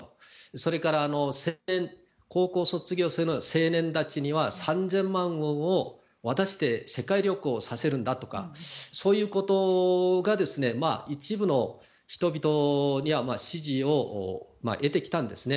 それから高校卒業生の青年たちには３０００万ウォンを渡して世界旅行させるんだとかそういうことが一部の人々には支持を得てきたんですね。